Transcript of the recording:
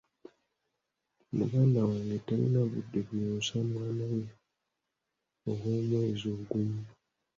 Muganda wange talina budde buyonsa mwana we ow'omwezi ogumu.